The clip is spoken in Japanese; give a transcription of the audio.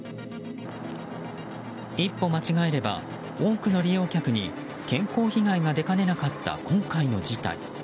一歩間違えれば多くの利用客に健康被害が出かねなかった今回の事態。